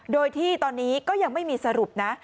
โดยที่ตอนนี้ก็ยังไม่มีสรุปนะ